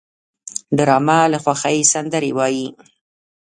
ډرامه له خوښۍ سندرې وايي